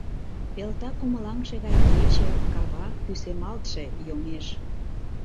Пелта кумылаҥше гай кече, кава — пӱсемалтше йоҥеж.